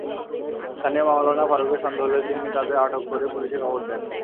স্থানীয় মাওলানা ফারুকের সন্দেহ হলে তিনি তাদের আটক করে পুলিশে খবর দেন।